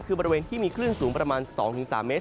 คือบริเวณที่มีคลื่นสูงประมาณ๒๓เมตร